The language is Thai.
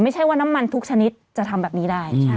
ไม่ใช่ว่าน้ำมันทุกชนิดจะทำแบบนี้ได้